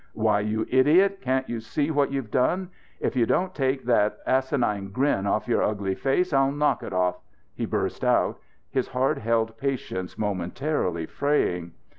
Why, you idiot, can't you see what you've done? If you don't take that asinine grin off your ugly face, I'll knock it off!" he burst out, his hard held patience momentarily fraying.